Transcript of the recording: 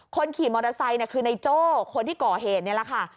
คนขี่มอเตอร์ไซค์คือในโจ้คนที่ก่อเหตุนี่แหละค่ะ